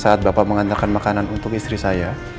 saat bapak mengantarkan makanan untuk istri saya